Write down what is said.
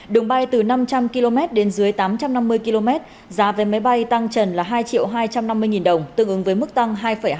đường bay từ năm trăm linh km đến dưới tám trăm năm mươi km giá vé máy bay tăng trần là hai hai trăm năm mươi đồng tương ứng với mức tăng hai hai